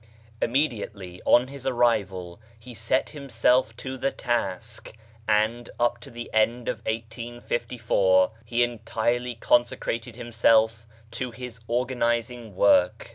Immediately on his arrival he set himself to the task, and up to the end of 1854 he entirely conse crated himself to his organising work.